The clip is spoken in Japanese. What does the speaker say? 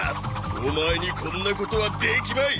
オマエにこんなことはできまい！